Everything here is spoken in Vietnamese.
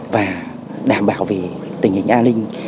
và đảm bảo về tình hình an ninh